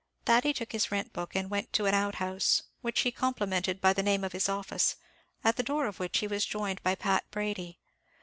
Thady took his rent book and went into an outhouse, which he complimented by the name of his office, at the door of which he was joined by Pat Brady.